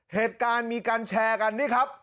เหตุการณ์มีการแชร์กันนี่ครับ